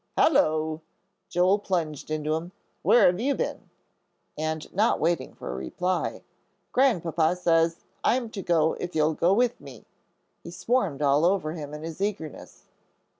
"Halloo!" Joel plunged into him; "where've you been?" And, not waiting for a reply, "Grandpapa says I'm to go if you'll go with me," he swarmed all over him in his eagerness.